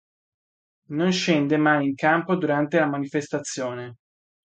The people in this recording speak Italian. Non scende mai in campo durante la manifestazione.